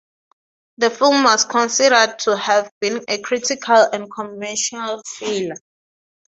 The film was considered to have been a critical and commercial failure.